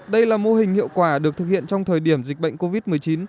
đây là mô hình hiệu quả được thực hiện trong thời điểm dịch bệnh covid một mươi chín